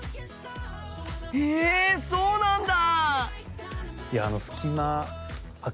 へえそうなんだ。